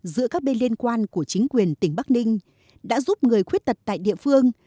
giữa các bên liên quan của chính quyền tỉnh bắc ninh đã giúp người khuyết tật tại địa phương